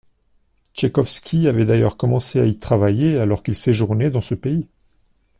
Tchaïkovski avait d'ailleurs commencé à y travailler alors qu'il séjournait dans ce pays.